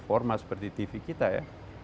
ormas seperti tv kita ya